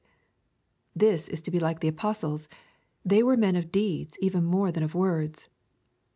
This is to ba like the apostles, — they were men of deeds even more than of words.